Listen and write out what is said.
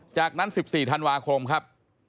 จากนั้น๑๔ธันวาคมครับ